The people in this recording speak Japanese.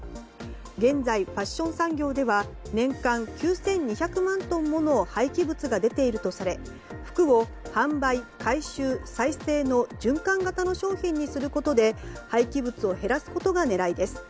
現在、ファッション産業では年間９２００万トンもの廃棄物が出ているとされ服を販売、回収、再生の循環型の商品にすることで廃棄物を減らすことが狙いです。